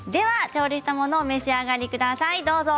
調理したものをお召し上がりください、どうぞ。